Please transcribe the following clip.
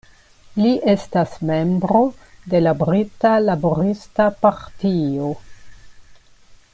Li estas membro de la Brita Laborista Partio.